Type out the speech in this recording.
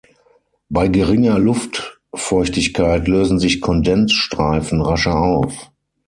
Bei geringer Luftfeuchtigkeit lösen sich Kondensstreifen rascher auf.